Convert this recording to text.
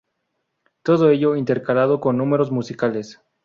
Todo ello, intercalado con números musicales.